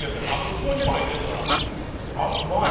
スポンジも入ってるからあっうまい